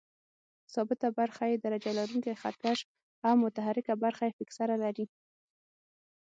ثابته برخه یې درجه لرونکی خط کش او متحرکه برخه یې فکسره لري.